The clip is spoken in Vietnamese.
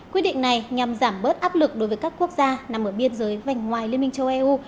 quyết định này nhằm giảm bớt áp lực đối với các quốc gia nằm ở biên giới vành ngoài liên minh châu âu